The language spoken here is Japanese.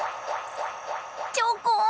チョコン！